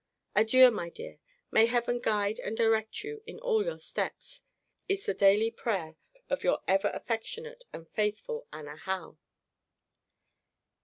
Adieu, my dear! May heaven guide and direct you in all your steps, is the daily prayer of Your ever affectionate and faithful ANNA HOWE.